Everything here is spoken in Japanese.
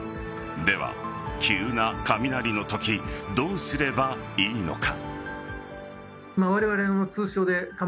では、急な雷のときどうすればいいのか。